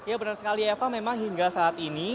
ya benar sekali eva memang hingga saat ini